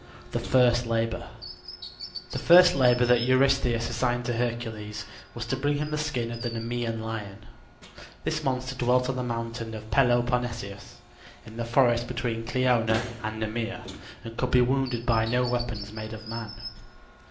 THE FIRST LABOR The first labor that Eurystheus assigned to Hercules was to bring him the skin of the Nemean lion. This monster dwelt on the mountain of Peloponnesus, in the forest between Kleona and Nemea, and could be wounded by no weapons made of man.